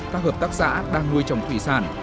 các hợp tác xã đang nuôi trồng thủy sản